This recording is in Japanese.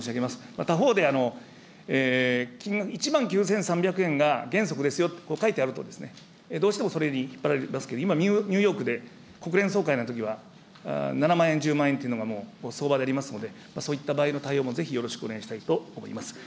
また他方で、１万９３００円が原則ですよと書いてあるとですね、どうしてもそれに引っ張られますけれども、今、ニューヨークで国連総会のときは、７万円、１０万円というのが相場でありますので、そういった場合の対応もぜひよろしくお願いしたいと思います。